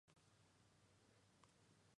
Se posicionó en el número cinco de Gaon Chart.